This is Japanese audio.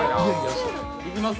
行きます？